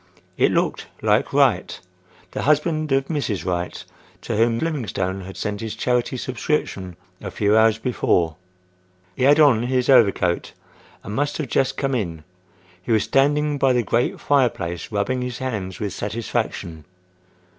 It looked like Wright,—the husband of Mrs. Wright to whom Livingstone had sent his charity subscription a few hours before. He had on his overcoat and must have just come in. He was standing by the great fire place rubbing his hands with satisfaction.